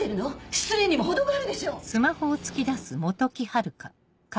失礼にも程があるでしょ。